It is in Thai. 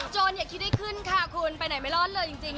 อย่าคิดได้ขึ้นค่ะคุณไปไหนไม่รอดเลยจริง